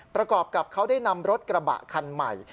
ประกอบกับเขาได้นำรถกระบะคันใหม่